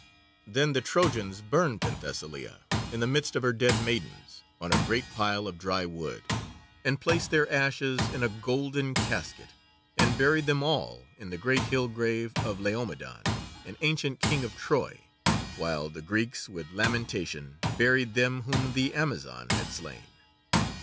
Then the Trojans burned Penthesilea in the midst of her dead maidens, on a great pile of dry wood, and placed their ashes in a golden casket, and buried them all in the great hill grave of Laomedon, an ancient King of Troy, while the Greeks with lamentation buried them whom the Amazon had slain.